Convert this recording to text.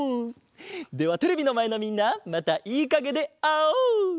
ではテレビのまえのみんなまたいいかげであおう！